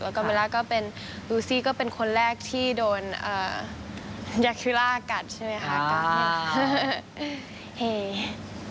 แล้วก็เบลล่าก็เป็นรูซี่ก็เป็นคนแรกที่โดนยาคิล่ากัดใช่ไหมคะกัด